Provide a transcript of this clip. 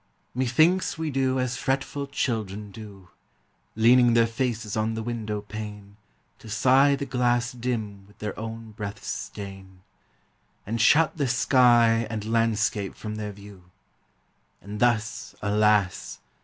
Methinks we do as fretful children do, Leaning their faces on the window pane To sigh the glass dim with their own breath's stain, And shut the sky and landscape from their view; And, thus, alas!